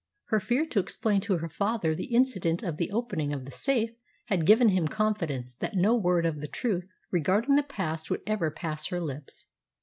Her fear to explain to her father the incident of the opening of the safe had given him confidence that no word of the truth regarding the past would ever pass her lips.